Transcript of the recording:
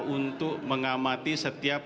untuk mengadakan rekrutmen